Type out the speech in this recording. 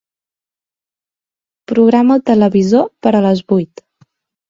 Programa el televisor per a les vuit.